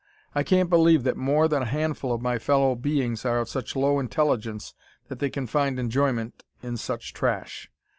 I can't believe that more than a handful of my fellow beings are of such low intelligence that they can find enjoyment in such trash.